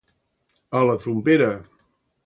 A la trompera.